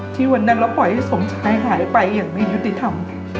วันนั้นเราปล่อยให้สมชายหายไปอย่างไม่ยุติธรรม